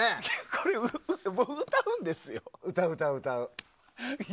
これ、俺が歌うんですよね？